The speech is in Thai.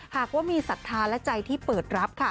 หากว่ามีศรัทธาและใจที่เปิดรับค่ะ